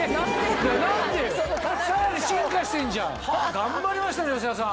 頑張りましたね吉田さん。